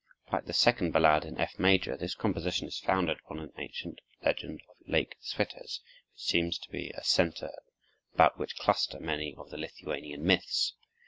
Like the second ballade in F major, this composition is founded upon an ancient legend of Lake Switez, which seems to be a center about which cluster many of the Lithuanian myths.